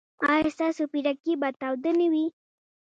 ایا ستاسو پیرکي به تاوده نه وي؟